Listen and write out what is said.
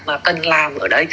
mà cần làm ở đây